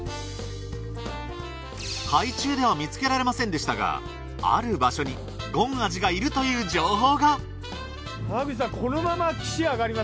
海中では見つけられませんでしたがある場所にごんあじがいるという情報が上がれんの？